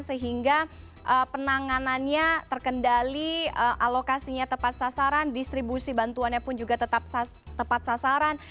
sehingga penanganannya terkendali alokasinya tepat sasaran distribusi bantuannya pun juga tetap tepat sasaran